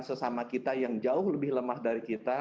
sesama kita yang jauh lebih lemah dari kita